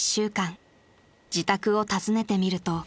［自宅を訪ねてみると］